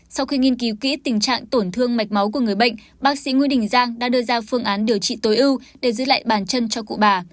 sau khi nghiên cứu kỹ tình trạng tổn thương mạch máu của người bệnh bác sĩ nguyễn đình giang đã đưa ra phương án điều trị tối ưu để giữ lại bàn chân cho cụ bà